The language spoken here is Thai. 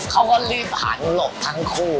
เขาก็รีบหันหลบทั้งคู่